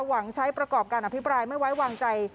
หวังใช้ประกอบการอภิปรายไม่ไว้วางใจ